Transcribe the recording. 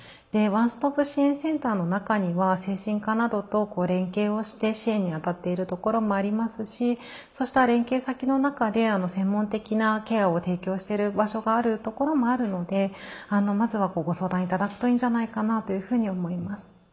ワンストップ支援センターの中には精神科などと連携をして支援に当たっているところもありますしそうした連携先の中で専門的なケアを提供している場所があるところもあるのでまずはご相談頂くといいんじゃないかなというふうに思います。